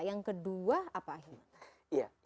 yang kedua apa akhilman